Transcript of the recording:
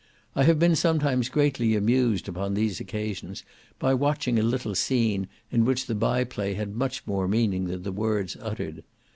I have been sometimes greatly amused upon these occasions by watching a little scene in which the bye play had much more meaning than the words uttered.